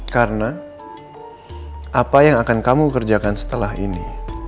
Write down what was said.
karena apa yang akan kamu kerjakan setelah ini